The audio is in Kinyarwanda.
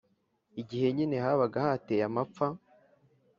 igihe nyine habaga hateye amapfa.